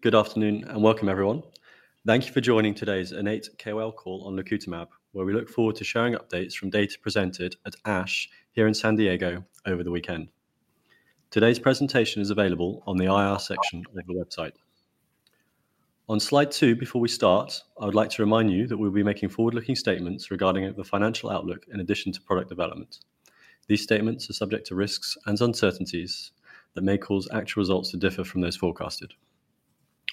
Good afternoon and welcome, everyone. Thank you for joining today's Innate KOL call on lacutamab, where we look forward to sharing updates from data presented at ASH here in San Diego over the weekend. Today's presentation is available on the IR section of the website. On slide two, before we start, I would like to remind you that we'll be making forward-looking statements regarding the financial outlook in addition to product development. These statements are subject to risks and uncertainties that may cause actual results to differ from those forecasted.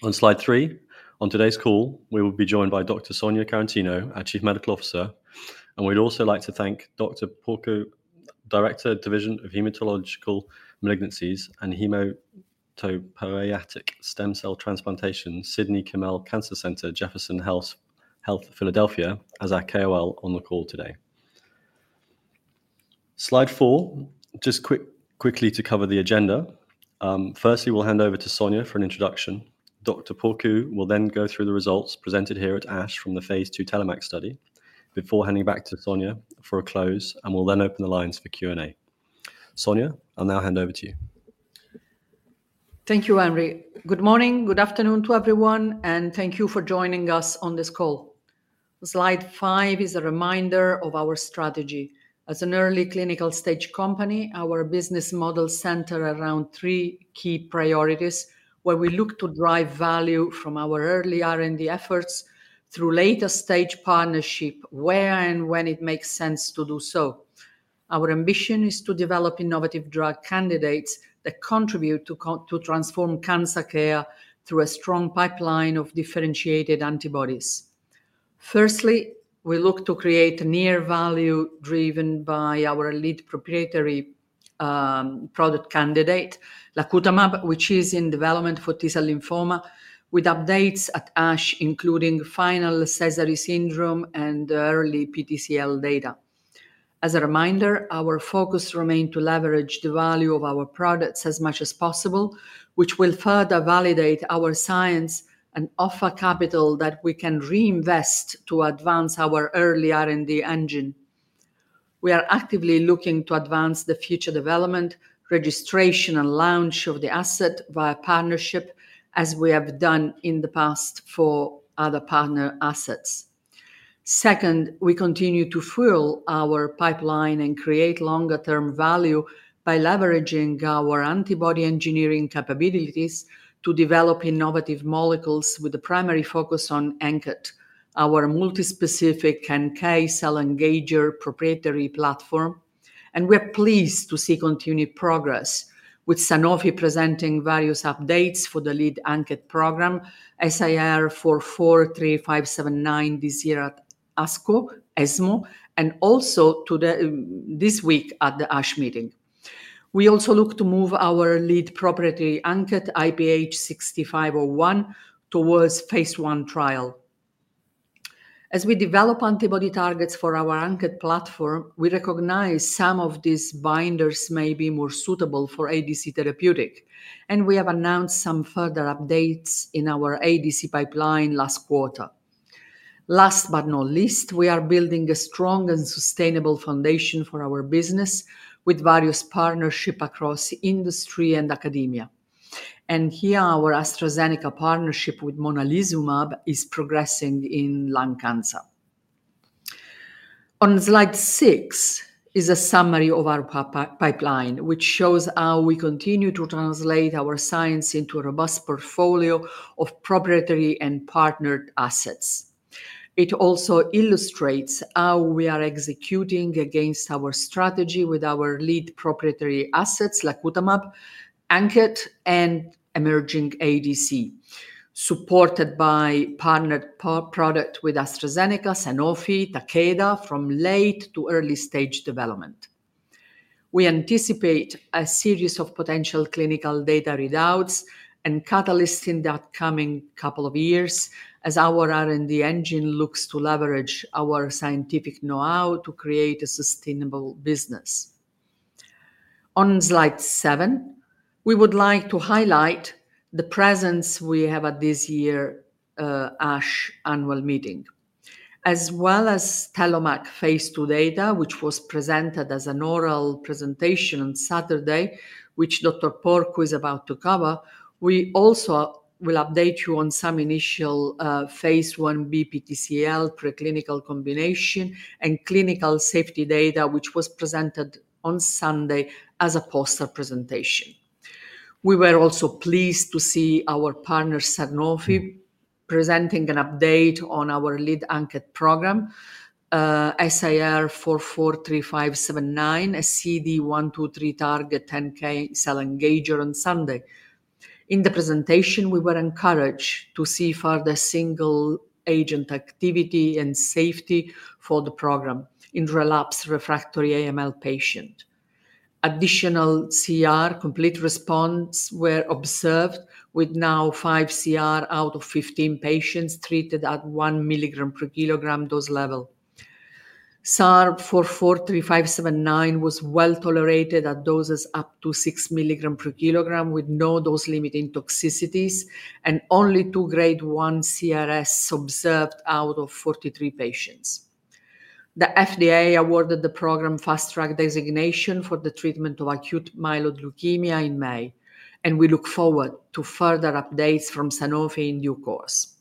On slide three, on today's call, we will be joined by Dr. Sonia Quaratino, our Chief Medical Officer, and we'd also like to thank Dr. Pierluigi Porcu, Director, Division of Hematologic Malignancies and Hematopoietic Stem Cell Transplantation, Sidney Kimmel Cancer Center, Jefferson Health, Philadelphia, as our KOL on the call today. Slide four, just quickly to cover the agenda. Firstly, we'll hand over to Sonia for an introduction. Dr. Porcu will then go through the results presented here at ASH from the phase 2 TELLOMAK study before handing back to Sonia for a close, and we'll then open the lines for Q&A. Sonia, I'll now hand over to you. Thank you, Henry. Good morning, good afternoon to everyone, and thank you for joining us on this call. Slide five is a reminder of our strategy. As an early clinical stage company, our business model center around three key priorities, where we look to drive value from our early R&D efforts through later stage partnership, where and when it makes sense to do so. Our ambition is to develop innovative drug candidates that contribute to transform cancer care through a strong pipeline of differentiated antibodies. Firstly, we look to create a near value driven by our lead proprietary product candidate, lacutamab, which is in development for T-cell lymphoma, with updates at ASH, including final Sézary syndrome and early PTCL data. As a reminder, our focus remain to leverage the value of our products as much as possible, which will further validate our science and offer capital that we can reinvest to advance our early R&D engine. We are actively looking to advance the future development, registration, and launch of the asset via partnership, as we have done in the past for other partner assets. Second, we continue to fuel our pipeline and create longer-term value by leveraging our antibody engineering capabilities to develop innovative molecules with a primary focus on ANKET, our multispecific NK cell engager proprietary platform. And we're pleased to see continued progress, with Sanofi presenting various updates for the lead ANKET program, 443579, this year at ASCO, ESMO, and also today, this week at the ASH meeting. We also look to move our lead property, ANKET IPH6501, towards phase 1 trial. As we develop antibody targets for our ANKET platform, we recognize some of these binders may be more suitable for ADC therapeutic, and we have announced some further updates in our ADC pipeline last quarter. Last but not least, we are building a strong and sustainable foundation for our business with various partnership across industry and academia. And here, our AstraZeneca partnership with monalizumab is progressing in lung cancer. On slide 6 is a summary of our pipeline, which shows how we continue to translate our science into a robust portfolio of proprietary and partnered assets. It also illustrates how we are executing against our strategy with our lead proprietary assets, lacutamab, ANKET, and emerging ADC, supported by partnered product with AstraZeneca, Sanofi, Takeda, from late to early stage development. We anticipate a series of potential clinical data readouts and catalysts in the upcoming couple of years as our R&D engine looks to leverage our scientific know-how to create a sustainable business. On slide seven, we would like to highlight the presence we have at this year's ASH annual meeting. As well as TELLOMAK phase 2 data, which was presented as an oral presentation on Saturday, which Dr. Porcu is about to cover, we also will update you on some initial phase 1b PTCL preclinical combination and clinical safety data, which was presented on Sunday as a poster presentation. We were also pleased to see our partner, Sanofi, presenting an update on our lead ANKET program, 443579, a CD123-target NK cell engager on Sunday. In the presentation, we were encouraged to see further single agent activity and safety for the program in relapsed refractory AML patient. Additional CR, complete response, were observed, with now 5 CR out of 15 patients treated at 1 milligram per kilogram dose level. 443579 was well tolerated at doses up to 6 milligram per kilogram, with no dose-limiting toxicities and only 2 grade 1 CRS observed out of 43 patients... The FDA awarded the program Fast Track designation for the treatment of acute myeloid leukemia in May, and we look forward to further updates from Sanofi in due course.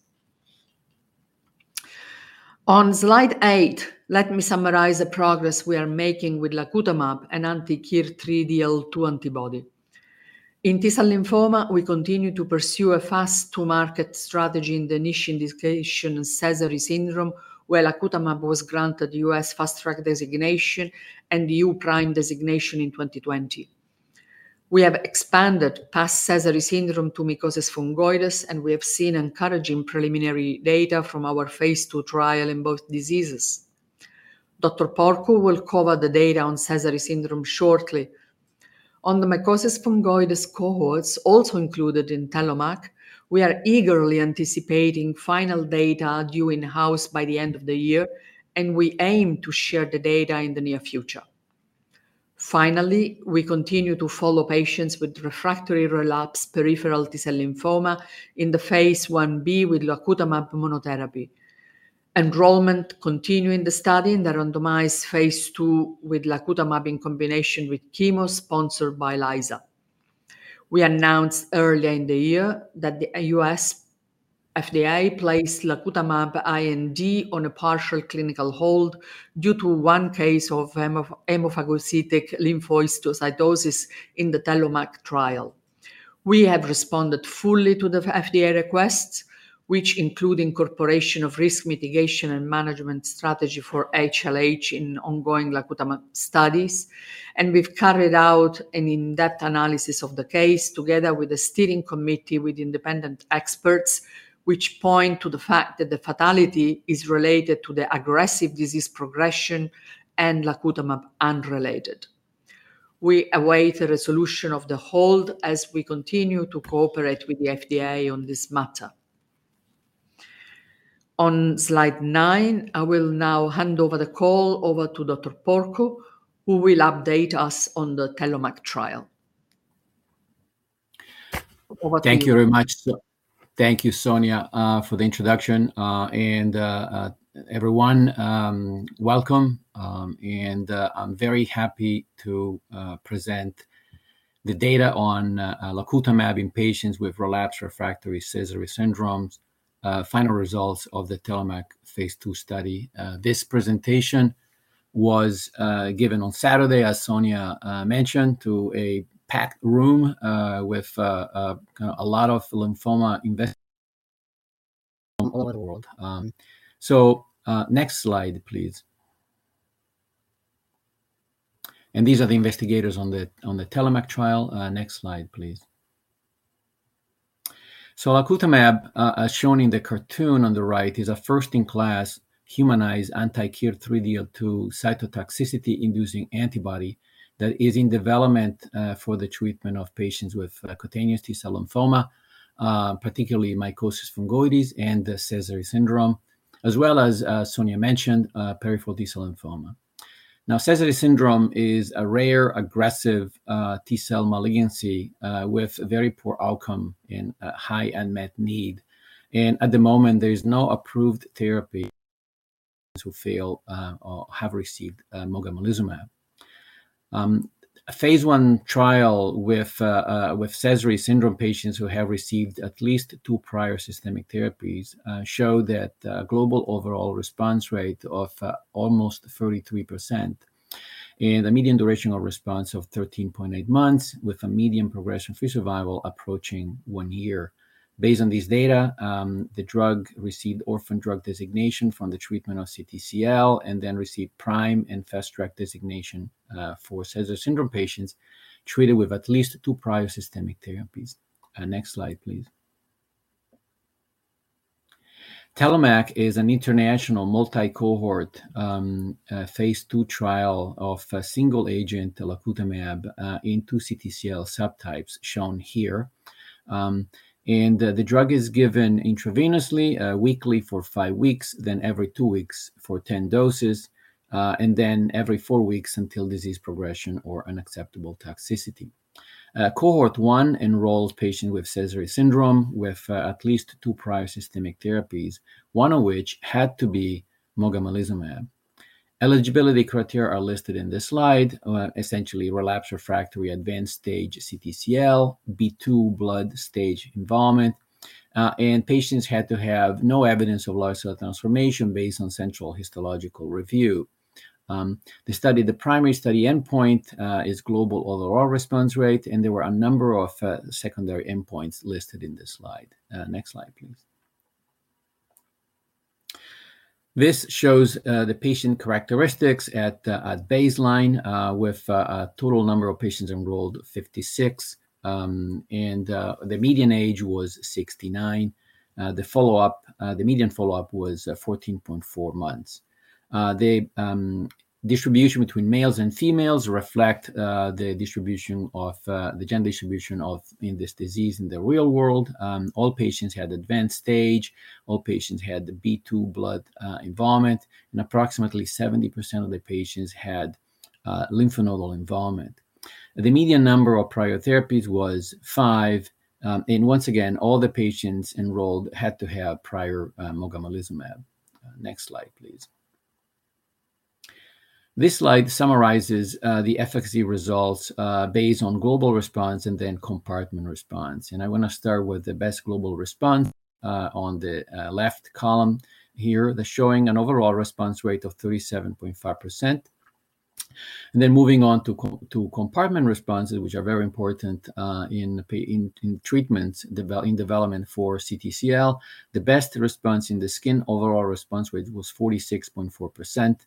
On slide 8, let me summarize the progress we are making with lacutamab, an anti-KIR3DL2 antibody. In T-cell lymphoma, we continue to pursue a fast-to-market strategy in the niche indication Sézary syndrome, where lacutamab was granted US Fast Track Designation and EU PRIME Designation in 2020. We have expanded past Sézary syndrome to mycosis fungoides, and we have seen encouraging preliminary data from our phase 2 trial in both diseases. Dr. Porcu will cover the data on Sézary syndrome shortly. On the mycosis fungoides cohorts, also included in TELLOMAK, we are eagerly anticipating final data due in-house by the end of the year, and we aim to share the data in the near future. Finally, we continue to follow patients with refractory relapsed peripheral T-cell lymphoma in the phase 1 B with lacutamab monotherapy. Enrollment continues in the study, in the randomized phase 2 with lacutamab in combination with chemo sponsored by LYSA. We announced earlier in the year that the U.S. FDA placed lacutamab IND on a partial clinical hold due to one case of hemophagocytic lymphohistiocytosis in the TELLOMAK trial. We have responded fully to the FDA requests, which include incorporation of risk mitigation and management strategy for HLH in ongoing lacutamab studies. We've carried out an in-depth analysis of the case together with a steering committee with independent experts, which point to the fact that the fatality is related to the aggressive disease progression and lacutamab unrelated. We await a resolution of the hold as we continue to cooperate with the FDA on this matter. On slide nine, I will now hand over the call to Dr. Porcu, who will update us on the TELLOMAK trial. Over to you. Thank you very much. Thank you, Sonia, for the introduction, and everyone, welcome. I'm very happy to present the data on lacutamab in patients with relapsed refractory Sézary syndrome, final results of the TELLOMAK phase two study. This presentation was given on Saturday, as Sonia mentioned, to a packed room with a lot of lymphoma investigators all over the world. Next slide, please. These are the investigators on the TELLOMAK trial. Next slide, please. Lacutamab, as shown in the cartoon on the right, is a first-in-class humanized anti-KIR3DL2 cytotoxicity-inducing antibody that is in development for the treatment of patients with cutaneous T-cell lymphoma, particularly mycosis fungoides and the Sézary syndrome, as well as, as Sonia mentioned, peripheral T-cell lymphoma. Now, Sézary syndrome is a rare, aggressive, T-cell malignancy, with very poor outcome and a high unmet need. And at the moment, there is no approved therapy to fail, or have received mogamulizumab. A phase 1 trial with Sézary syndrome patients who have received at least 2 prior systemic therapies, show that global overall response rate of almost 33% and a median duration of response of 13.8 months, with a median progression-free survival approaching 1 year. Based on this data, the drug received orphan drug designation from the treatment of CTCL, and then received PRIME and Fast Track designation, for Sézary syndrome patients treated with at least 2 prior systemic therapies. Next slide, please. TELLOMAK is an international multi-cohort, Phase 2 trial of a single agent, lacutamab, in two CTCL subtypes, shown here. And the drug is given intravenously, weekly for 5 weeks, then every 2 weeks for 10 doses, and then every 4 weeks until disease progression or unacceptable toxicity. Cohort one enrolled patients with Sézary syndrome, with at least 2 prior systemic therapies, one of which had to be mogamulizumab. Eligibility criteria are listed in this slide. Essentially, relapsed refractory advanced stage CTCL, B2 blood stage involvement, and patients had to have no evidence of large cell transformation based on central histological review. The primary study endpoint is global overall response rate, and there were a number of secondary endpoints listed in this slide. Next slide, please. This shows the patient characteristics at baseline with a total number of patients enrolled, 56, and the median age was 69. The median follow-up was 14.4 months. The distribution between males and females reflect the distribution of the gender distribution in this disease in the real world. All patients had advanced stage, all patients had the B2 blood involvement, and approximately 70% of the patients had lymph nodal involvement. The median number of prior therapies was five, and once again, all the patients enrolled had to have prior mogamulizumab. Next slide, please. This slide summarizes the efficacy results based on global response and then compartment response. I wanna start with the best global response, on the left column here, they're showing an overall response rate of 37.5%. Then moving on to compartment responses, which are very important, in treatments in development for CTCL. The best response in the skin overall response rate was 46.4%,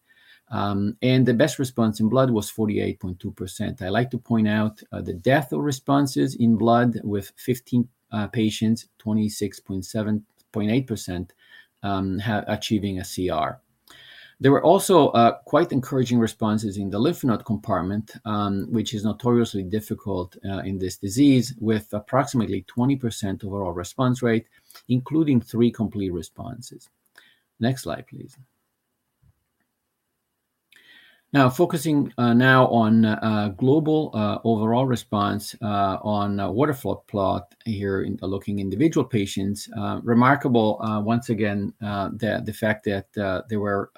and the best response in blood was 48.2%. I like to point out the depth of responses in blood with 15 patients, 26.8%, achieving a CR. There were also quite encouraging responses in the lymph node compartment, which is notoriously difficult in this disease, with approximately 20% overall response rate, including three complete responses. Next slide, please. Now, focusing now on global overall response on a waterfall plot here in looking individual patients, remarkable once again the fact that there were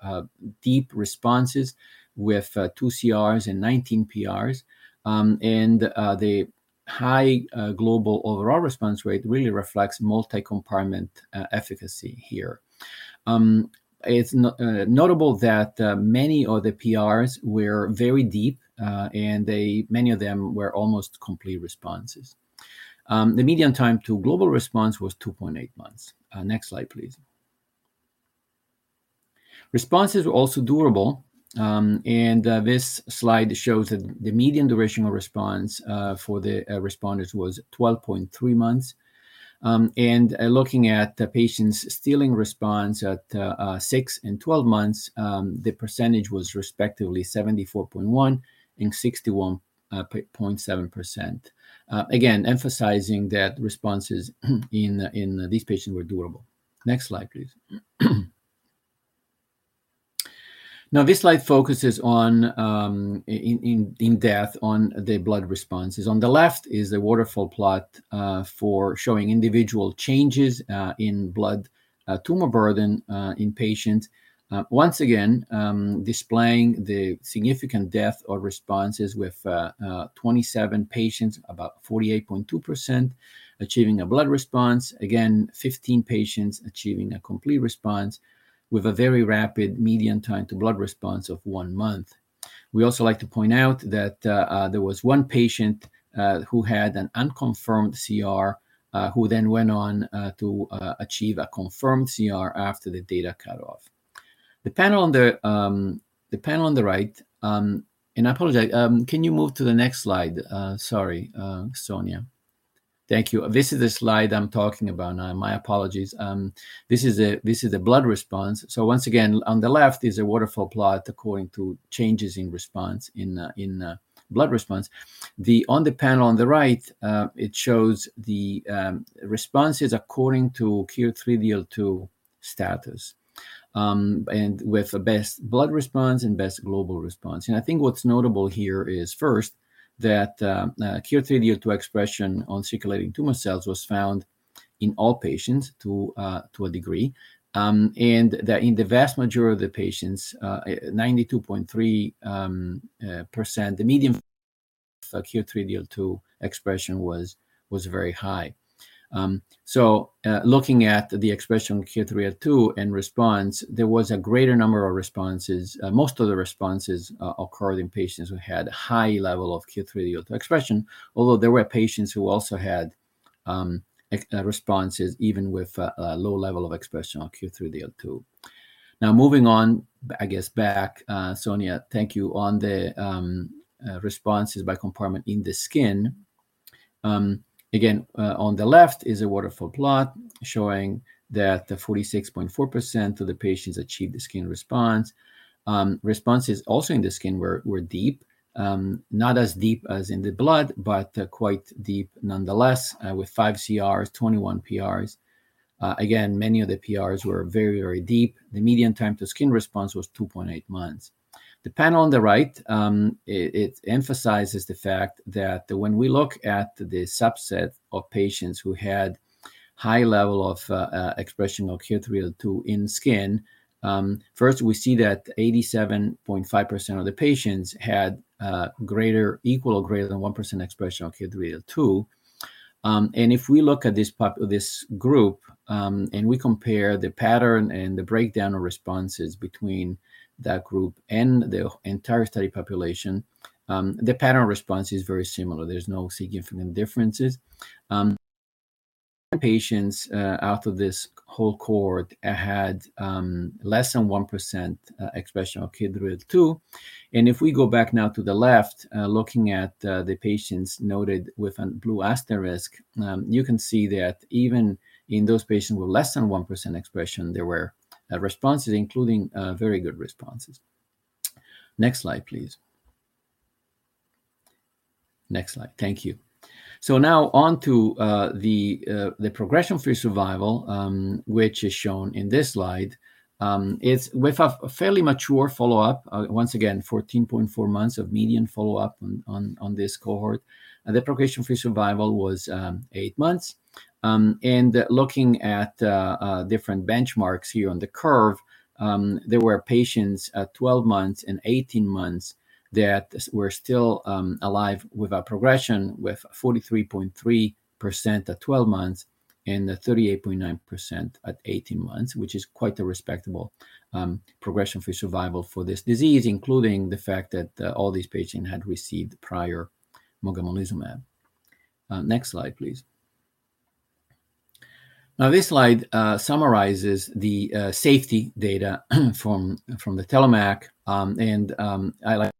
deep responses with 2 CRs and 19 PRs. The high global overall response rate really reflects multi-compartment efficacy here. It's notable that many of the PRs were very deep, and many of them were almost complete responses. The median time to global response was 2.8 months. Next slide, please. Responses were also durable, and this slide shows that the median duration of response for the responders was 12.3 months. Looking at the patients' sustained response at six and 12 months, the percentage was respectively 74.1% and 61.7%. Again, emphasizing that responses in these patients were durable. Next slide, please. Now, this slide focuses on, in depth on the blood responses. On the left is a waterfall plot for showing individual changes in blood tumor burden in patients. Once again, displaying the significant depth of responses with 27 patients, about 48.2%, achieving a blood response. Again, 15 patients achieving a complete response with a very rapid median time to blood response of 1 month. We also like to point out that there was one patient who had an unconfirmed CR who then went on to achieve a confirmed CR after the data cutoff. The panel on the right. And I apologize. Can you move to the next slide? Sorry, Sonia. Thank you. This is the slide I'm talking about now. My apologies. This is a blood response. So once again, on the left is a waterfall plot according to changes in response in blood response. The panel on the right, it shows the responses according to KIR3DL2 status and with the best blood response and best global response. And I think what's notable here is, first, that, KIR3DL2 expression on circulating tumor cells was found in all patients to, to a degree, and that in the vast majority of the patients, 92.3%, the median KIR3DL2 expression was very high. Looking at the expression KIR3DL2 and response, there was a greater number of responses. Most of the responses occurred in patients who had high level of KIR3DL2 expression, although there were patients who also had responses, even with a low level of expression on KIR3DL2. Now, moving on, I guess, back, Sonia, thank you, on the responses by compartment in the skin. On the left is a waterfall plot showing that the 46.4% of the patients achieved the skin response. Responses also in the skin were deep, not as deep as in the blood, but quite deep nonetheless, with 5 CRs, 21 PRs. Again, many of the PRs were very, very deep. The median time to skin response was 2.8 months. The panel on the right, it emphasizes the fact that when we look at the subset of patients who had high level of expression of KIR3DL2 in skin, first, we see that 87.5% of the patients had greater, equal or greater than 1% expression of KIR3DL2. And if we look at this group, and we compare the pattern and the breakdown of responses between that group and the entire study population, the pattern response is very similar. There's no significant differences. Patients out of this whole cohort had less than 1% expression of KIR3DL2. If we go back now to the left, looking at the patients noted with a blue asterisk, you can see that even in those patients with less than 1% expression, there were responses, including very good responses. Next slide, please. Next slide. Thank you. So now on to the progression-free survival, which is shown in this slide. It's with a fairly mature follow-up, once again, 14.4 months of median follow-up on this cohort. The progression-free survival was 8 months. And looking at different benchmarks here on the curve, there were patients at 12 months and 18 months that were still alive without progression, with 43.3% at 12 months and 38.9% at 18 months, which is quite a respectable progression-free survival for this disease, including the fact that all these patients had received prior mogamulizumab. Next slide, please. Now, this slide summarizes the safety data from the TELLOMAK. And I like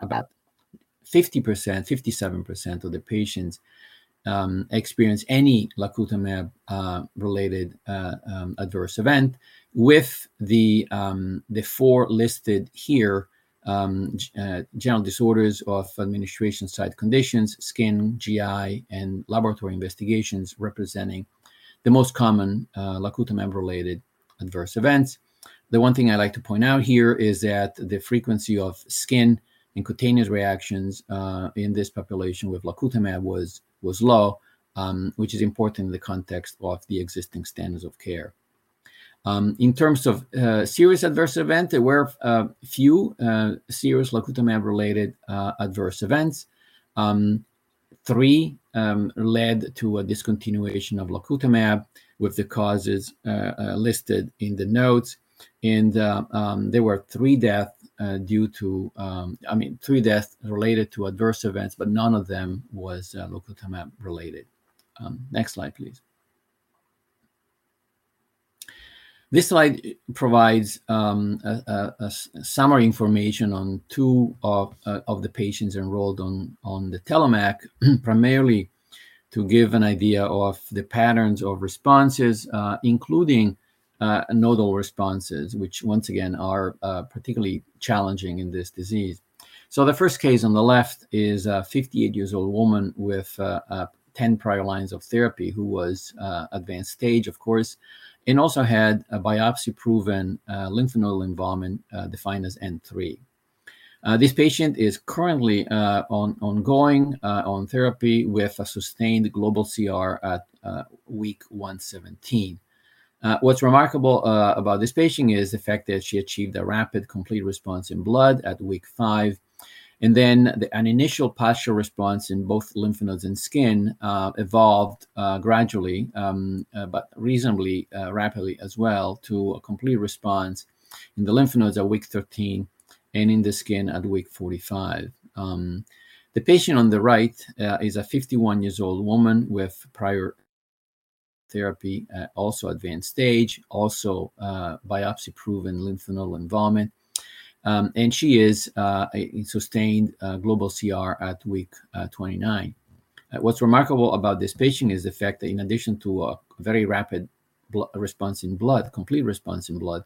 about 50%, 57% of the patients experienced any lacutamab-related adverse event with the four listed here. General disorders of administration site conditions, skin, GI, and laboratory investigations representing the most common lacutamab-related adverse events. The one thing I'd like to point out here is that the frequency of skin and cutaneous reactions in this population with lacutamab was low, which is important in the context of the existing standards of care. In terms of serious adverse event, there were a few serious lacutamab-related adverse events. Three led to a discontinuation of lacutamab, with the causes listed in the notes. There were three death. I mean, three death related to adverse events, but none of them was lacutamab related. Next slide, please. This slide provides a summary information on two of the patients enrolled on the TELLOMAK, primarily to give an idea of the patterns of responses, including nodal responses, which once again are particularly challenging in this disease. So the first case on the left is a 58-year-old woman with 10 prior lines of therapy, who was advanced stage, of course, and also had a biopsy-proven lymph node involvement, defined as N3. This patient is currently on ongoing therapy with a sustained global CR at week 117. What's remarkable about this patient is the fact that she achieved a rapid complete response in blood at week 5, and then an initial partial response in both lymph nodes and skin evolved gradually, but reasonably rapidly as well to a complete response in the lymph nodes at week 13 and in the skin at week 45. The patient on the right is a 51-year-old woman with prior therapy, also advanced stage, also biopsy-proven lymph node involvement. And she is a sustained global CR at week 29. What's remarkable about this patient is the fact that in addition to a very rapid response in blood, complete response in blood,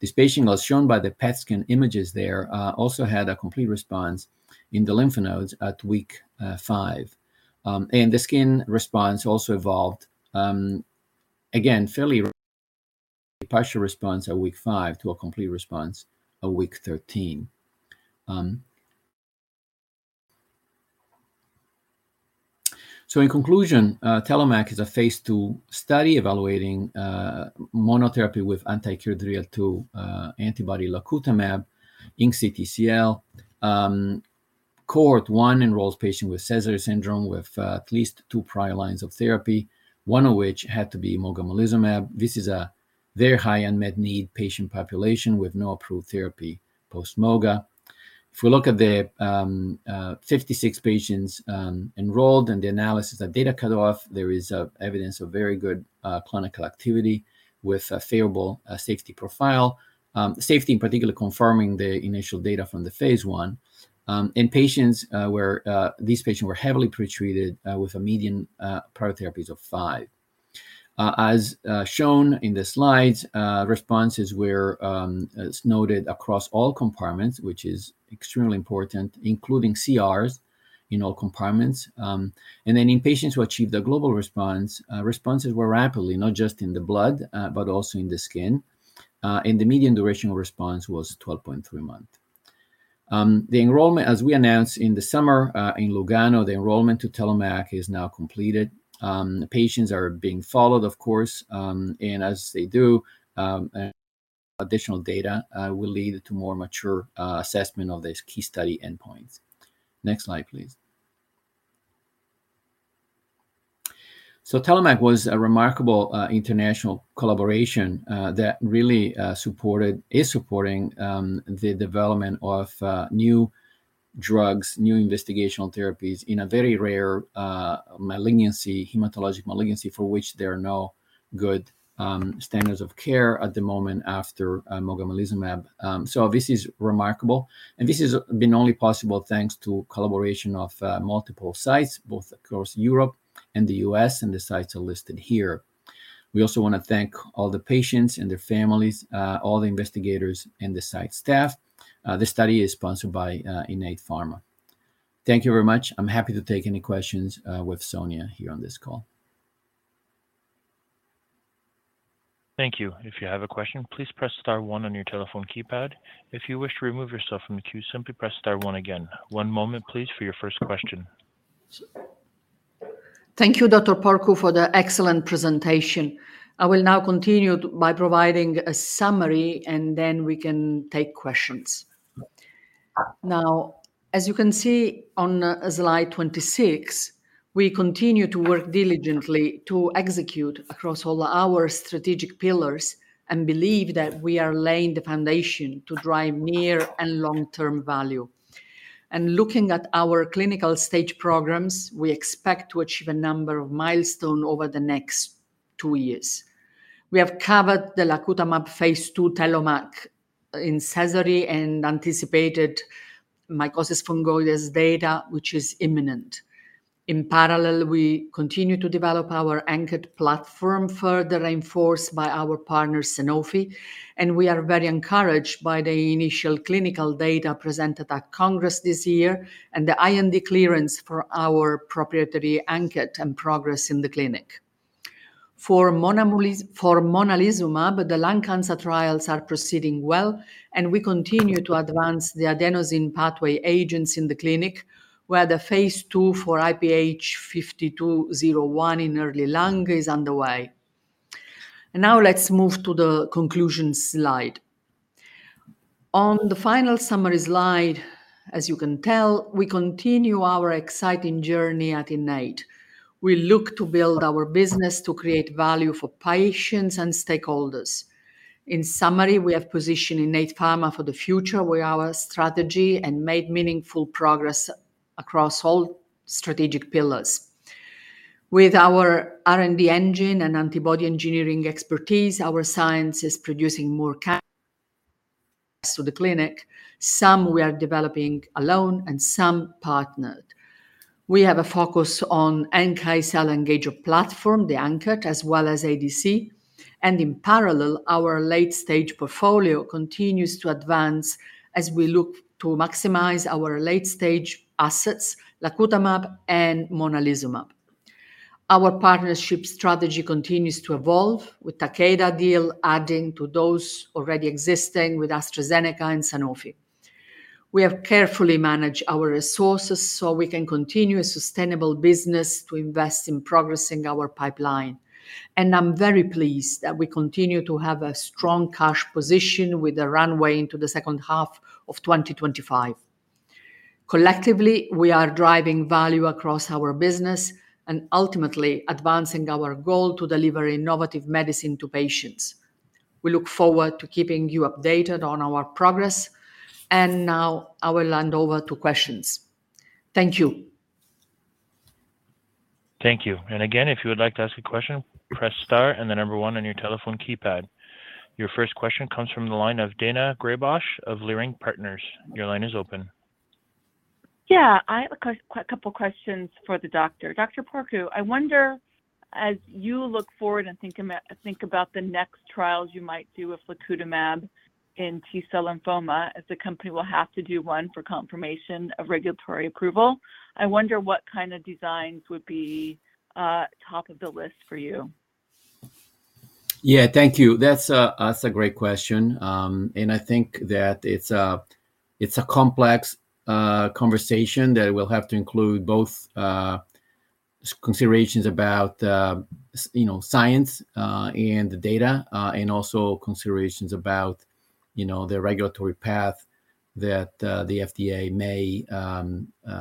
this patient was shown by the PET scan images there also had a complete response in the lymph nodes at week 5. And the skin response also evolved, again, from a partial response at week 5 to a complete response at week 13. So in conclusion, TELLOMAK is a phase 2 study evaluating monotherapy with anti-KIR3DL2 antibody lacutamab in CTCL. Cohort 1 enrolls patients with Sézary syndrome with at least 2 prior lines of therapy, one of which had to be mogamulizumab. This is a very high unmet need patient population with no approved therapy post-moga. If we look at the 56 patients enrolled in the analysis at data cutoff, there is evidence of very good clinical activity with a favorable safety profile. Safety, in particular, confirming the initial data from the phase 1. And these patients were heavily pretreated with a median of 5 prior therapies. As shown in the slides, responses were as noted across all compartments, which is extremely important, including CRs in all compartments. And then in patients who achieved a global response, responses were rapidly, not just in the blood, but also in the skin. And the median duration of response was 12.3 months. The enrollment, as we announced in the summer, in Lugano, the enrollment to TELLOMAK is now completed. The patients are being followed, of course, and as they do, additional data will lead to more mature assessment of these key study endpoints. Next slide, please. So TELLOMAK was a remarkable, international collaboration, that really, supported-- is supporting, the development of, new drugs, new investigational therapies, in a very rare, malignancy, hematologic malignancy, for which there are no good, standards of care at the moment after, mogamulizumab. So this is remarkable, and this has been only possible thanks to collaboration of, multiple sites, both across Europe and the US, and the sites are listed here.... We also want to thank all the patients and their families, all the investigators, and the site staff. This study is sponsored by, Innate Pharma. Thank you very much. I'm happy to take any questions, with Sonia here on this call. Thank you. If you have a question, please press star one on your telephone keypad. If you wish to remove yourself from the queue, simply press star one again. One moment, please, for your first question. Thank you, Dr. Porcu, for the excellent presentation. I will now continue by providing a summary, and then we can take questions. Now, as you can see on slide 26, we continue to work diligently to execute across all our strategic pillars and believe that we are laying the foundation to drive near and long-term value. Looking at our clinical stage programs, we expect to achieve a number of milestone over the next two years. We have covered the lacutamab phase 2 TELLOMAK in Sézary and anticipated mycosis fungoides data, which is imminent. In parallel, we continue to develop our ANKET platform, further reinforced by our partner, Sanofi, and we are very encouraged by the initial clinical data presented at Congress this year and the IND clearance for our proprietary ANKET and progress in the clinic. For monalizumab, the lung cancer trials are proceeding well, and we continue to advance the adenosine pathway agents in the clinic, where the phase II for IPH5201 in early lung is underway. Now, let's move to the conclusion slide. On the final summary slide, as you can tell, we continue our exciting journey at Innate. We look to build our business to create value for patients and stakeholders. In summary, we have positioned Innate Pharma for the future with our strategy and made meaningful progress across all strategic pillars. With our R&D engine and antibody engineering expertise, our science is producing more candidates to the clinic. Some we are developing alone and some partnered. We have a focus on NK-cell engager platform, the ANKET, as well as ADC. And in parallel, our late-stage portfolio continues to advance as we look to maximize our late-stage assets, lacutamab and monalizumab. Our partnership strategy continues to evolve, with Takeda deal adding to those already existing with AstraZeneca and Sanofi. We have carefully managed our resources so we can continue a sustainable business to invest in progressing our pipeline, and I'm very pleased that we continue to have a strong cash position with a runway into the second half of 2025. Collectively, we are driving value across our business and ultimately advancing our goal to deliver innovative medicine to patients. We look forward to keeping you updated on our progress, and now I will hand over to questions. Thank you. Thank you. And again, if you would like to ask a question, press star and the number one on your telephone keypad. Your first question comes from the line of Daina Graybosch of Leerink Partners. Your line is open. Yeah, I have a couple questions for the doctor. Dr. Porcu, I wonder, as you look forward and think about, think about the next trials you might do with lacutamab in T-cell lymphoma, as the company will have to do one for confirmation of regulatory approval, I wonder what kind of designs would be top of the list for you? Yeah, thank you. That's a great question. And I think that it's a complex conversation that will have to include both considerations about, you know, science and the data and also considerations about, you know, the regulatory path that the FDA may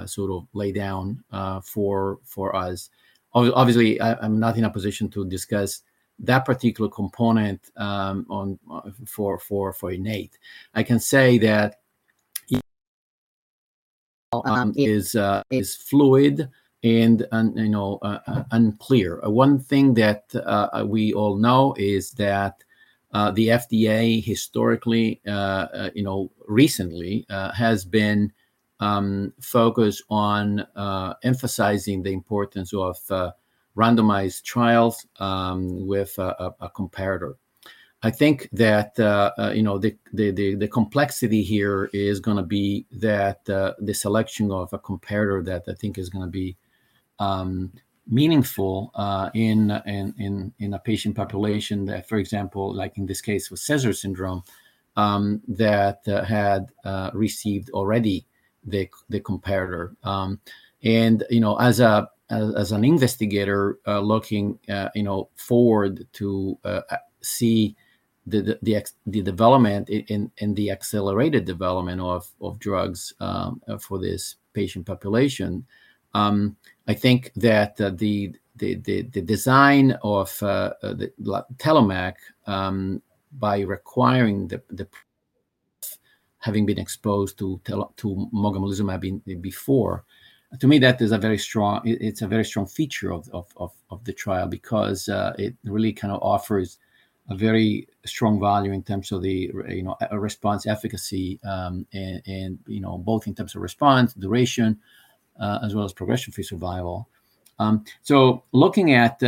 sort of lay down for us. Obviously, I, I'm not in a position to discuss that particular component on for Innate. I can say that is fluid and, you know, unclear. One thing that we all know is that the FDA historically, you know, recently, has been focused on emphasizing the importance of randomized trials with a comparator. I think that, you know, the complexity here is gonna be that, the selection of a comparator that I think is gonna be, meaningful, in a patient population that, for example, like in this case, with Sézary syndrome, that, had received already the c- the comparator. And, you know, as a, as an investigator, looking, you know, forward to, see the, the ex- the development and, and the accelerated development of, drugs, for this patient population, I think that, the design of, the lac- TELLOMAK, by requiring the, the having been exposed to tel- to mogamulizumab be- before, to me, that is a very strong... It's a very strong feature of the trial because it really kind of offers a very strong value in terms of the, you know, response efficacy, and you know, both in terms of response, duration, as well as progression-free survival. So looking at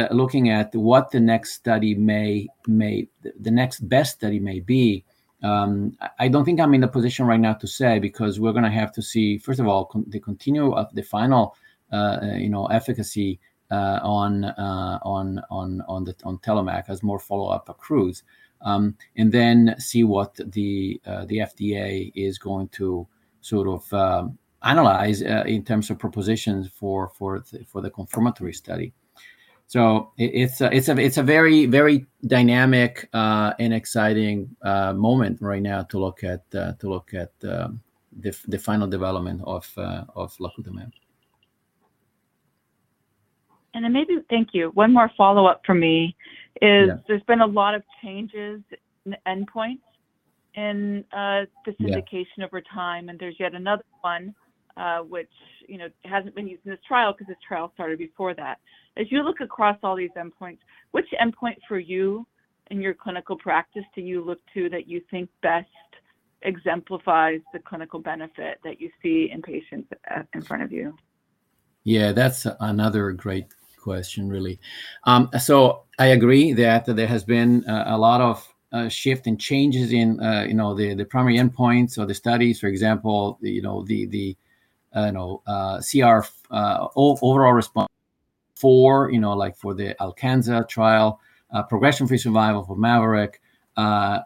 what the next study may be, the next best study may be. I don't think I'm in a position right now to say because we're gonna have to see, first of all, the continuation of the final, you know, efficacy on the TELLOMAK as more follow-up accrues. And then see what the FDA is going to sort of analyze in terms of proposals for the confirmatory study. So it's a very, very dynamic and exciting moment right now to look at the final development of lacutamab. Thank you. One more follow-up from me is- Yeah. There's been a lot of changes in the endpoints in, Yeah... this indication over time, and there's yet another one, which, you know, hasn't been used in this trial because this trial started before that. As you look across all these endpoints, which endpoint for you in your clinical practice do you look to that you think best exemplifies the clinical benefit that you see in patients, in front of you? Yeah, that's another great question, really. So I agree that there has been a lot of shift and changes in, you know, the primary endpoints or the studies, for example, you know, the CR, overall response for, you know, like for the ALCANZA trial, progression-free survival for MAVORIC,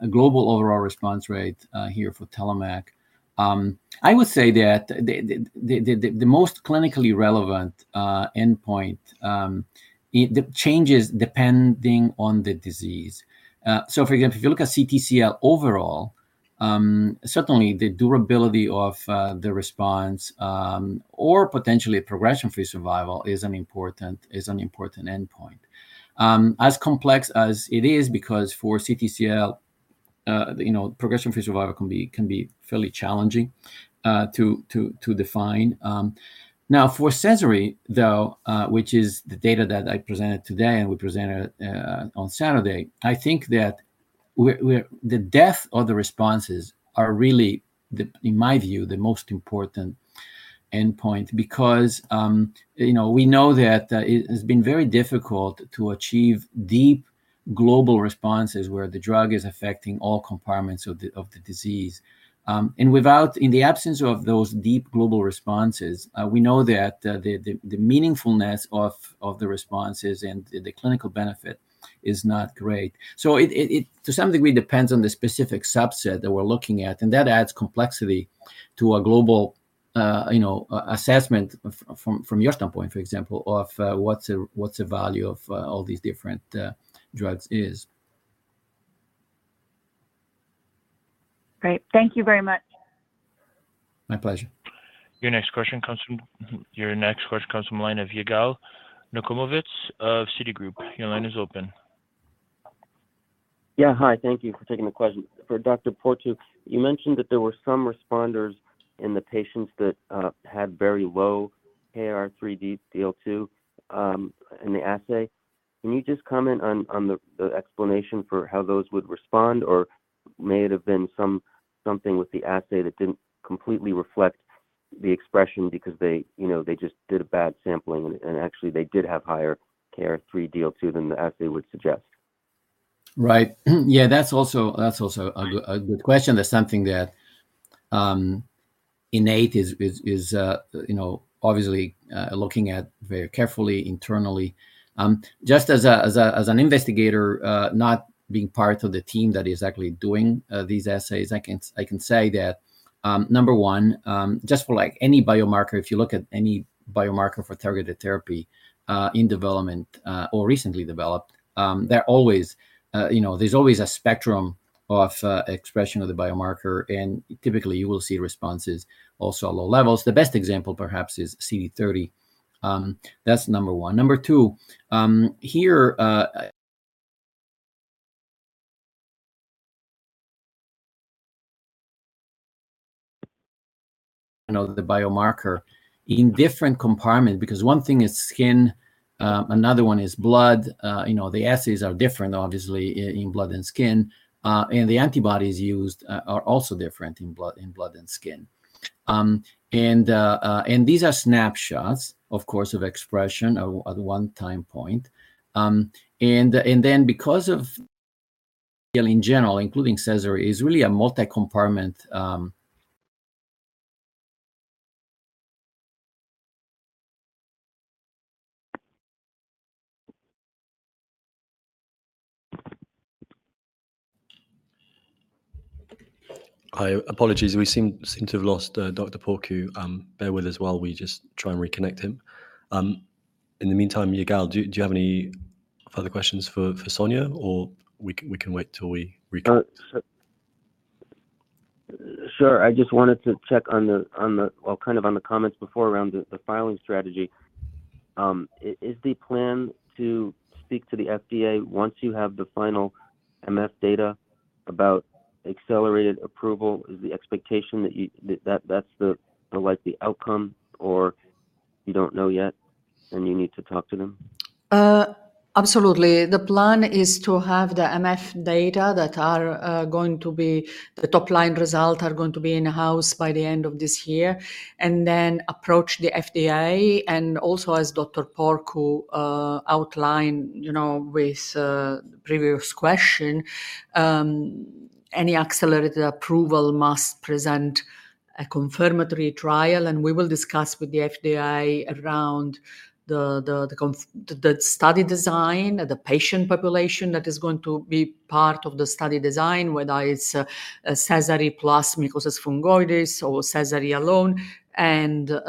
global overall response rate here for TELLOMAK. I would say that the most clinically relevant endpoint, the changes depending on the disease. So for example, if you look at CTCL overall, certainly the durability of the response or potentially progression-free survival is an important endpoint. As complex as it is because for CTCL, you know, progression-free survival can be fairly challenging to define. Now, for Sézary, though, which is the data that I presented today and we presented on Saturday, I think that we're. The depth of the responses are really the, in my view, the most important endpoint because, you know, we know that it has been very difficult to achieve deep global responses where the drug is affecting all compartments of the disease. And without in the absence of those deep global responses, we know that the meaningfulness of the responses and the clinical benefit is not great. So it to some degree depends on the specific subset that we're looking at, and that adds complexity to a global, you know, assessment from your standpoint, for example, of what's the value of all these different drugs is. Great. Thank you very much. My pleasure. Your next question comes from... Your next question comes from the line of Yigal Nochomovitz of Citigroup. Your line is open. Yeah, hi. Thank you for taking the question. For Dr. Porcu, you mentioned that there were some responders in the patients that had very low KIR3DL2 in the assay. Can you just comment on the explanation for how those would respond, or may it have been something with the assay that didn't completely reflect the expression because they, you know, they just did a bad sampling, and actually, they did have higher KIR3DL2 than the assay would suggest? Right. Yeah, that's also a good question. That's something that Innate is, you know, obviously looking at very carefully internally. Just as an investigator, not being part of the team that is actually doing these assays, I can say that, number one, just for like any biomarker, if you look at any biomarker for targeted therapy in development or recently developed, there are always, you know, there's always a spectrum of expression of the biomarker, and typically, you will see responses also at low levels. The best example perhaps is CD30. That's number one. Number two, here, you know, the biomarker in different compartment because one thing is skin, another one is blood. You know, the assays are different, obviously, in blood and skin, and the antibodies used are also different in blood than skin. And these are snapshots, of course, of expression at one time point. And then because of... in general, including Sézary, is really a multi-compartment, Hi. Apologies, we seem to have lost Dr. Porcu. Bear with us while we just try and reconnect him. In the meantime, Yigal, do you have any further questions for Sonia, or we can wait till we reconnect? Sure. I just wanted to check on the, well, kind of on the comments before around the filing strategy. Is the plan to speak to the FDA once you have the final MF data about accelerated approval? Is the expectation that that's the, like, the outcome, or you don't know yet and you need to talk to them? Absolutely. The plan is to have the MF data that are going to be the top-line results are going to be in-house by the end of this year, and then approach the FDA. And also, as Dr. Porcu outlined, you know, with the previous question, any accelerated approval must present a confirmatory trial, and we will discuss with the FDA around the confirmatory study design, the patient population that is going to be part of the study design, whether it's a Sézary plus mycosis fungoides or Sézary alone, and the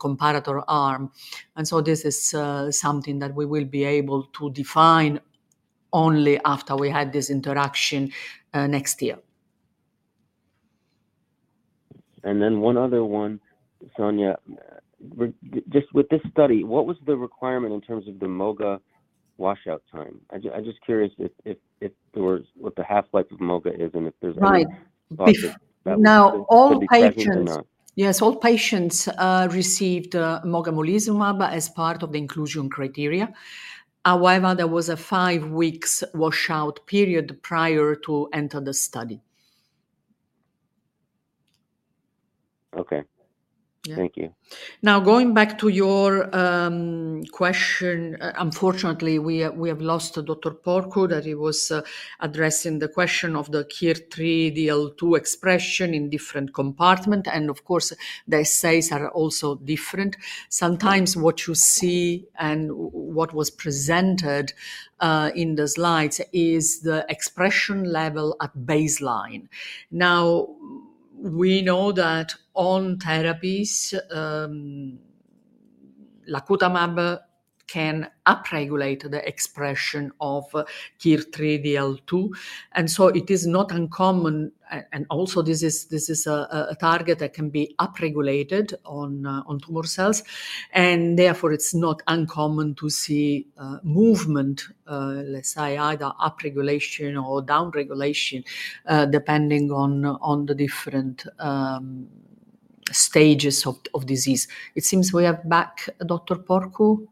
comparator arm. And so this is something that we will be able to define only after we had this interaction next year. And then one other one, Sonia. Just with this study, what was the requirement in terms of the MOGA washout time? I'm just curious if there was... What the half-life of MOGA is, and if there's- Right. -any thought that- Now, all patients- Would be pertinent or not? Yes, all patients received mogamulizumab as part of the inclusion criteria. However, there was a five weeks washout period prior to enter the study. Okay. Yeah. Thank you. Now, going back to your question, unfortunately, we have lost Dr. Porcu, that he was addressing the question of the KIR3DL2 expression in different compartment, and of course, the assays are also different. Sometimes what you see and what was presented in the slides is the expression level at baseline. Now, we know that on therapies, lacutamab can upregulate the expression of KIR3DL2, and so it is not uncommon, and also this is a target that can be upregulated on tumor cells, and therefore, it's not uncommon to see movement, let's say, either upregulation or downregulation, depending on the different stages of disease. It seems we have back Dr. Porcu?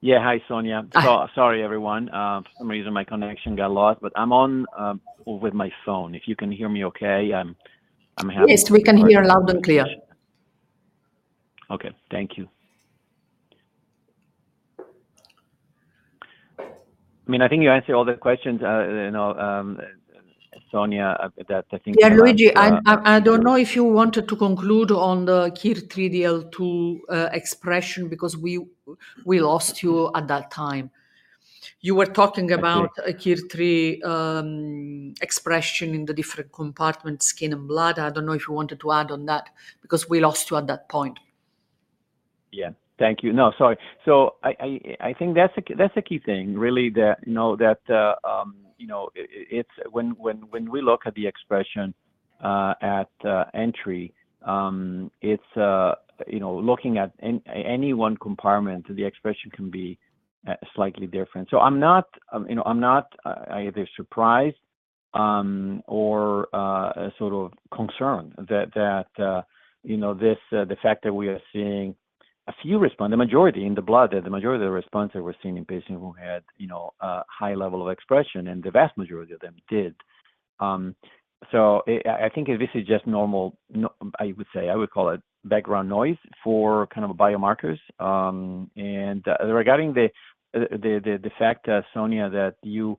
Yeah. Hi, Sonia. Hi. Sorry, everyone. For some reason, my connection got lost, but I'm on with my phone. If you can hear me okay, I'm happy- Yes, we can hear loud and clear. Okay. Thank you. I mean, I think you answered all the questions, you know, Sonia, that I think- Yeah, Luigi, I don't know if you wanted to conclude on the KIR3DL2 expression because we lost you at that time. You were talking about- Okay... a KIR3DL2 expression in the different compartments, skin and blood. I don't know if you wanted to add on that because we lost you at that point. Yeah. Thank you. No, sorry. So I think that's a key thing, really, that, you know, that, you know, it's when we look at the expression at entry, it's, you know, looking at any one compartment, the expression can be slightly different. So I'm not, you know, I'm not either surprised or sort of concerned that, you know, this, the fact that we are seeing a few respond. The majority in the blood, the majority of the responses were seen in patients who had, you know, a high level of expression, and the vast majority of them did. So I think this is just normal. I would say, I would call it background noise for kind of biomarkers. And, regarding the fact, Sonia, that you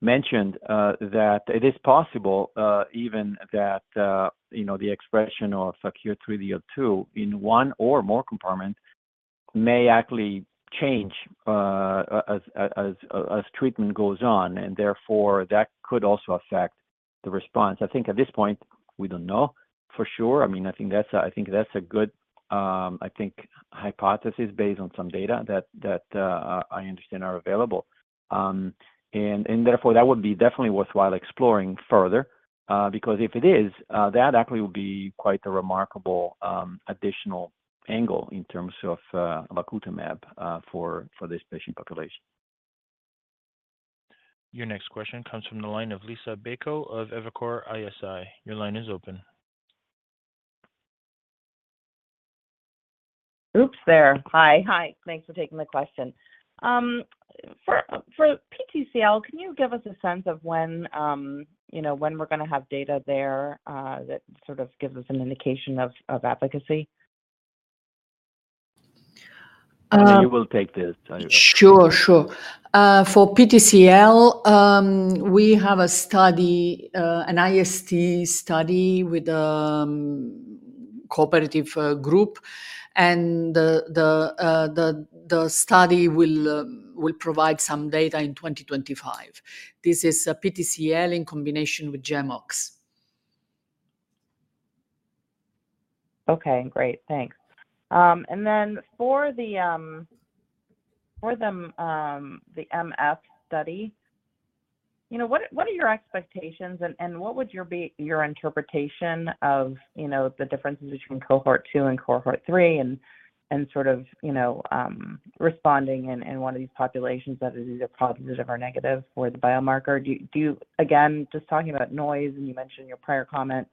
mentioned, that it is possible, even that, you know, the expression of KIR3DL2 in one or more compartment may actually change, as treatment goes on, and therefore, that could also affect the response. I think at this point, we don't know for sure. I mean, I think that's a good hypothesis based on some data that I understand are available. And therefore, that would be definitely worthwhile exploring further, because if it is, that actually would be quite a remarkable additional angle in terms of lacutamab, for this patient population. Your next question comes from the line of Liisa Bayko of Evercore ISI. Your line is open. Hi. Hi, thanks for taking the question. For PTCL, can you give us a sense of when, you know, when we're gonna have data there, that sort of gives us an indication of advocacy? You will take this, Sonia. Sure, sure. For PTCL, we have a study, an IST study with cooperative group, and the study will provide some data in 2025. This is a PTCL in combination with GEMOX. Okay, great. Thanks. And then for the MF study, you know, what are your expectations, and what would your be your interpretation of, you know, the differences between cohort two and cohort three, and sort of, you know, responding in one of these populations that is either positive or negative for the biomarker? Do you... Again, just talking about noise, and you mentioned in your prior comment,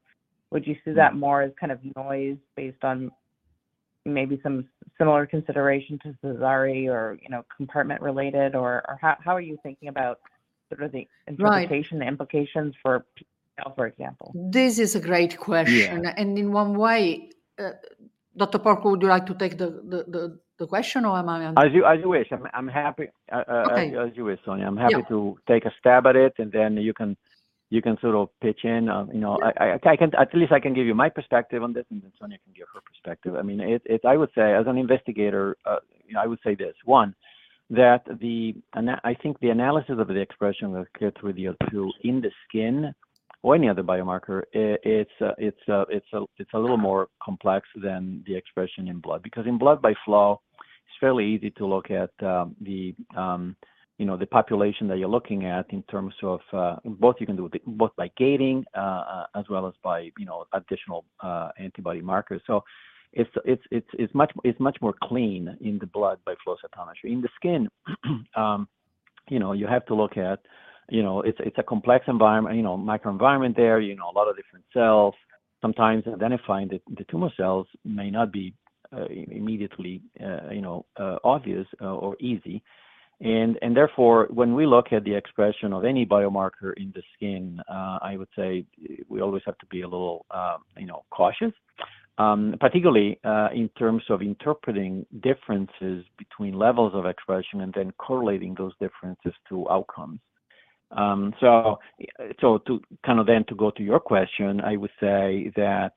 would you see that more as kind of noise based on maybe some similar consideration to Sézary or, you know, compartment-related, or how are you thinking about sort of the- Right... interpretation, the implications for PTCL, for example? This is a great question. Yeah. In one way. ...Dr. Porcu, would you like to take the question, or am I on? As you wish. I'm happy. Okay. As you wish, Sonia. Yeah. I'm happy to take a stab at it, and then you can, you can sort of pitch in, you know. Yeah. I can—at least I can give you my perspective on this, and then Sonia can give her perspective. I mean, it—I would say as an investigator, you know, I would say this, one, that the analysis of the expression of KIR3DL2 in the skin or any other biomarker, it's a little more complex than the expression in blood. Because in blood by flow, it's fairly easy to look at, you know, the population that you're looking at in terms of, both you can do it both by gating, as well as by, you know, additional antibody markers. So it's much more clean in the blood by flow cytometry. In the skin, you know, you have to look at, you know, it's a complex environment, you know, microenvironment there, you know, a lot of different cells. Sometimes identifying the tumor cells may not be immediately, you know, obvious or easy. Therefore, when we look at the expression of any biomarker in the skin, I would say we always have to be a little, you know, cautious, particularly in terms of interpreting differences between levels of expression and then correlating those differences to outcomes. So to kind of then to go to your question, I would say that,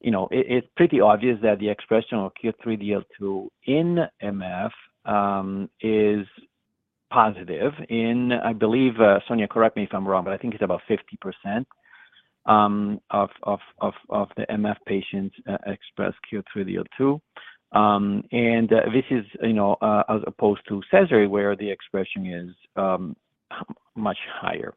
you know, it's pretty obvious that the expression of KIR3DL2 in MF is positive in, I believe, Sonia, correct me if I'm wrong, but I think it's about 50% of the MF patients express KIR3DL2. And this is, you know, as opposed to Sézary, where the expression is much higher.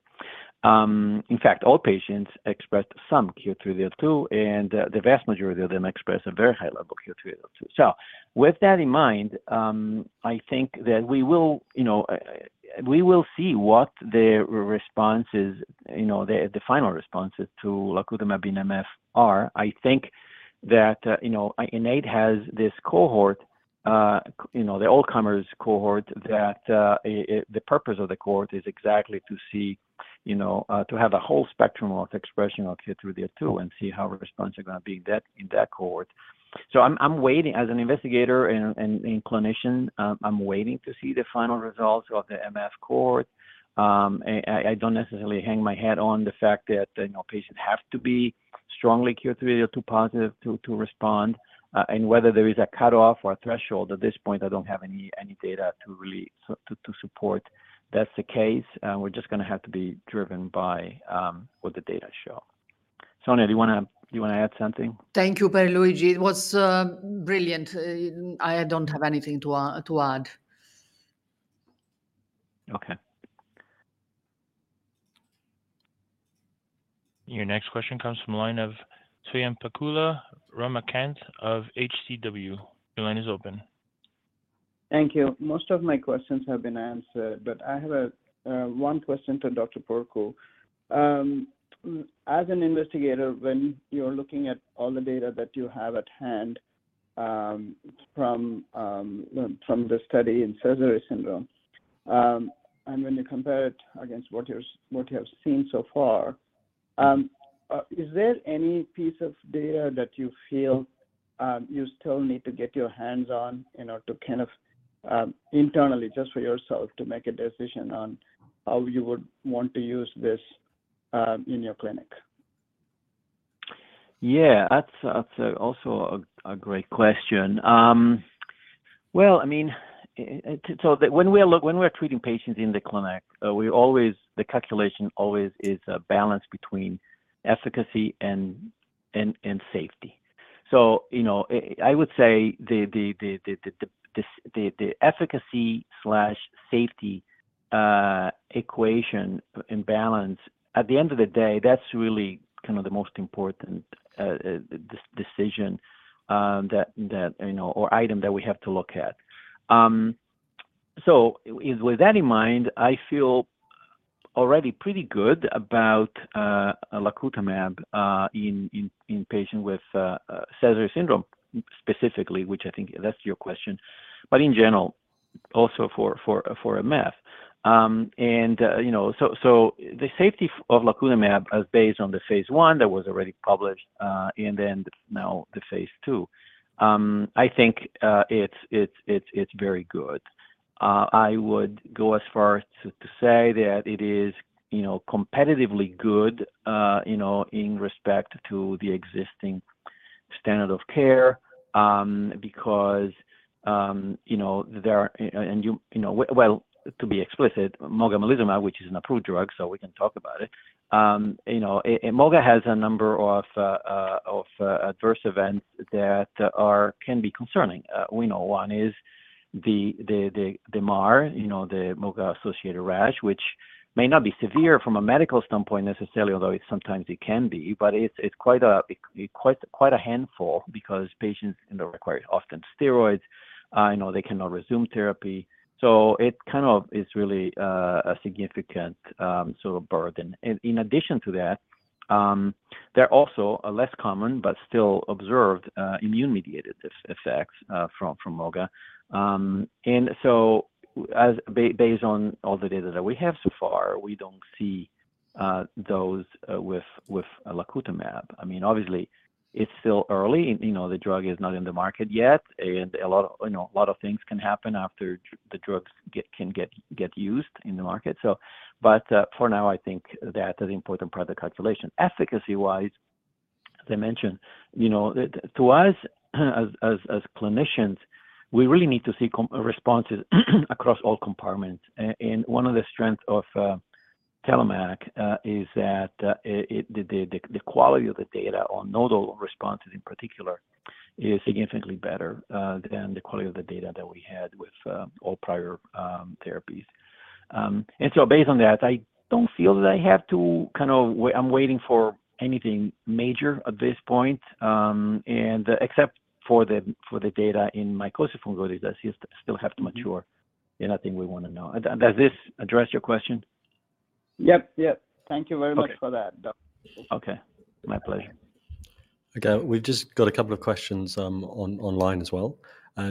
In fact, all patients expressed some KIR3DL2, and the vast majority of them expressed a very high level of KIR3DL2. So with that in mind, I think that we will, you know, we will see what the responses, you know, the final responses to lacutamab in MF are. I think that, you know, Innate has this cohort, you know, the all-comers cohort, that the purpose of the cohort is exactly to see, you know, to have a whole spectrum of expression of KIR3DL2 and see how responses are gonna be in that cohort. So I'm waiting as an investigator and clinician, I'm waiting to see the final results of the MF cohort. I don't necessarily hang my hat on the fact that, you know, patients have to be strongly KIR3DL2 positive to respond, and whether there is a cutoff or a threshold. At this point, I don't have any data to really support that's the case. We're just gonna have to be driven by what the data show. Sonia, do you wanna, do you wanna add something? Thank you, Luigi. It was brilliant. I don't have anything to add. Okay. Your next question comes from the line of Swayampakula Ramakanth of HCW. Your line is open. Thank you. Most of my questions have been answered, but I have one question to Dr. Porcu. As an investigator, when you're looking at all the data that you have at hand, from the study in Sézary syndrome, and when you compare it against what you're, what you have seen so far, is there any piece of data that you feel you still need to get your hands on in order to kind of internally, just for yourself, to make a decision on how you would want to use this in your clinic? Yeah, that's also a great question. Well, I mean, so when we're treating patients in the clinic, we always—the calculation always is a balance between efficacy and safety. So, you know, I would say the efficacy/safety equation and balance, at the end of the day, that's really kind of the most important decision, you know, or item that we have to look at. So with that in mind, I feel already pretty good about lacutamab in patients with Sézary syndrome, specifically, which I think that's your question, but in general, also for MF. You know, the safety of lacutamab is based on the phase 1 that was already published, and then now the phase 2. I think, it's very good. I would go as far as to say that it is, you know, competitively good, you know, in respect to the existing standard of care, because, you know, there are, and you know, well, to be explicit, mogamulizumab, which is an approved drug, so we can talk about it. You know, and mogamulizumab has a number of adverse events that can be concerning. We know one is the MAR, you know, the Moga-associated rash, which may not be severe from a medical standpoint necessarily, although sometimes it can be, but it's quite a handful because patients, you know, require often steroids, you know, they cannot resume therapy. So it kind of is really a significant sort of burden. And in addition to that, there are also less common but still observed immune-mediated effects from Moga. And so based on all the data that we have so far, we don't see those with lacutamab. I mean, obviously, it's still early, and, you know, the drug is not in the market yet, and a lot, you know, a lot of things can happen after the drugs can get used in the market. So but, for now, I think that is an important part of the calculation. Efficacy-wise, as I mentioned, you know, it, to us, as clinicians, we really need to see complete responses across all compartments. And one of the strengths of TELLOMAK is that the quality of the data on nodal responses in particular is significantly better than the quality of the data that we had with all prior therapies. And so based on that, I don't feel that I have to kind of wait for anything major at this point, and except for the data in Mycosis Fungoides that still have to mature, and I think we wanna know. Does this address your question? Yep, yep. Thank you very much- Okay. for that, doctor. Okay, my pleasure. Okay, we've just got a couple of questions, online as well.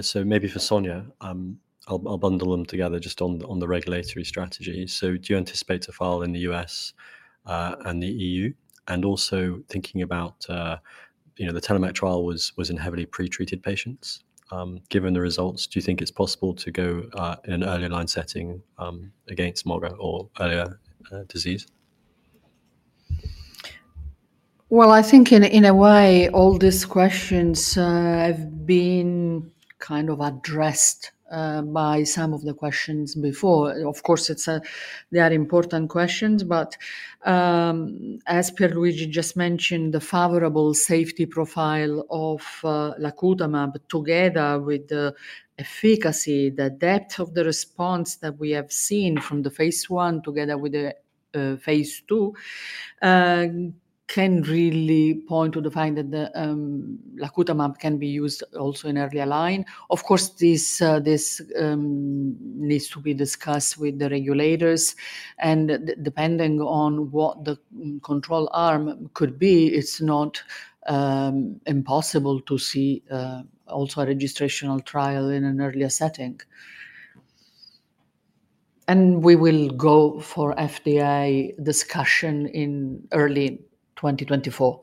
So maybe for Sonia, I'll bundle them together just on the regulatory strategy. So do you anticipate to file in the U.S., and the E.U.? And also thinking about, you know, the TELLOMAK trial was in heavily pretreated patients. Given the results, do you think it's possible to go in an early line setting against MOGA or earlier disease? Well, I think in a way, all these questions have been kind of addressed by some of the questions before. Of course, it's they are important questions, but as Pierluigi just mentioned, the favorable safety profile of lacutamab, together with the efficacy, the depth of the response that we have seen from the phase 1 together with the phase 2 can really point to the fact that the lacutamab can be used also in earlier line. Of course, this this needs to be discussed with the regulators, and depending on what the control arm could be, it's not impossible to see also a registrational trial in an earlier setting. And we will go for FDA discussion in early 2024.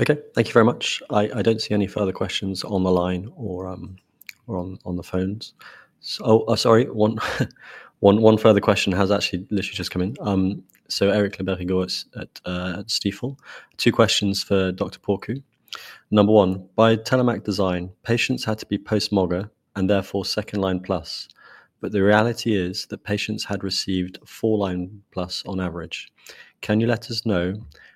Okay, thank you very much. I don't see any further questions on the line or on the phones. So, sorry, one further question has actually literally just come in. So Eric Le Berrigaud at Stifel. Two questions for Dr. Porcu. Number one, by TELLOMAK design, patients had to be post-MOGA, and therefore, second-line plus, but the reality is that patients had received four-line plus on average. Can you let us know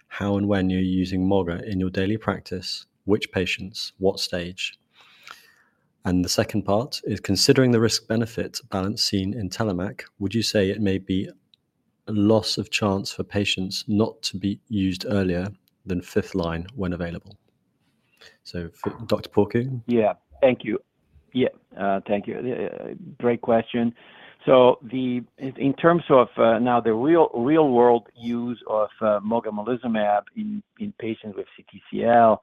how and when you're using MOGA in your daily practice? Which patients? What stage? And the second part is, considering the risk-benefit balance seen in TELLOMAK, would you say it may be a loss of chance for patients not to be used earlier than fifth line when available? So, for Dr. Porcu. Yeah. Thank you. Yeah, thank you. Great question. So, in terms of now the real-world use of mogamulizumab in patients with CTCL,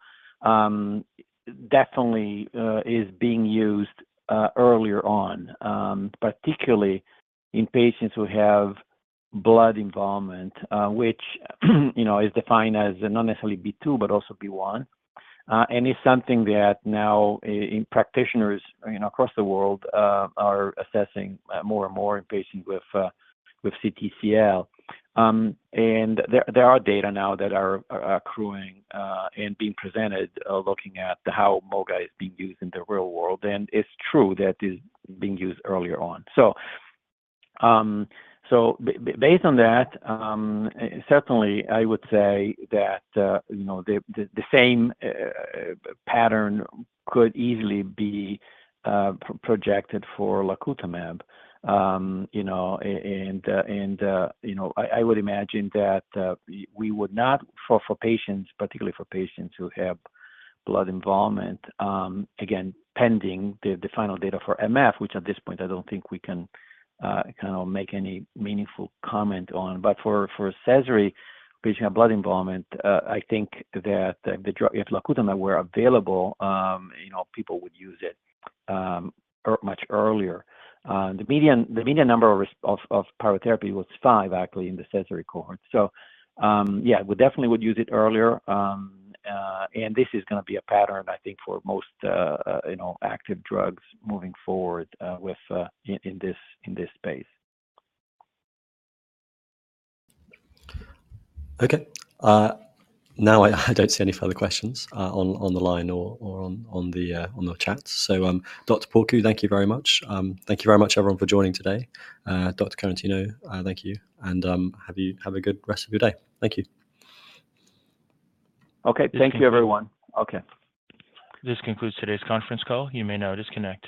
definitely is being used earlier on, particularly in patients who have blood involvement, which, you know, is defined as not necessarily B2, but also B1. And it's something that now in practitioners, you know, across the world are assessing more and more in patients with CTCL. And there are data now that are accruing and being presented looking at how MOGA is being used in the real world, and it's true that it's being used earlier on. So, certainly, I would say that, you know, the same pattern could easily be projected for lacutamab. You know, I would imagine that, we would not for patients, particularly for patients who have blood involvement, again, pending the final data for MF, which at this point, I don't think we can kind of make any meaningful comment on. But for Sézary patients with blood involvement, I think that the drug, if lacutamab were available, you know, people would use it much earlier. The median number of prior therapy was five, actually, in the Sézary cohort. So, yeah, we definitely would use it earlier, and this is gonna be a pattern, I think, for most, you know, active drugs moving forward, with in this space. Okay. Now, I don't see any further questions on the line or on the chat. So, Dr. Porcu, thank you very much. Thank you very much, everyone, for joining today. Dr. Constantino, thank you, and have a good rest of your day. Thank you. Okay. Thank you, everyone. Okay. This concludes today's conference call. You may now disconnect.